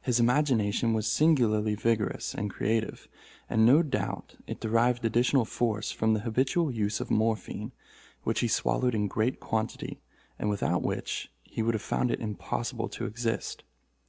His imagination was singularly vigorous and creative; and no doubt it derived additional force from the habitual use of morphine, which he swallowed in great quantity, and without which he would have found it impossible to exist.